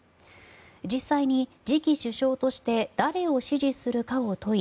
実際に、次期首相として誰を支持するかを問い